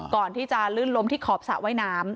ก่อนที่จะลื่นล้มที่ขอบสระว่ายน้ำ